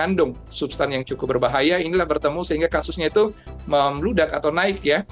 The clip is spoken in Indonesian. mengandung substan yang cukup berbahaya inilah bertemu sehingga kasusnya itu membludak atau naik ya